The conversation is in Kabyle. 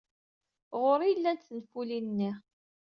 Ɣer-i ay llant tenfulin-nni.